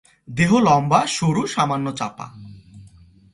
দেহ লম্বা, সরু, সামান্য চাপা।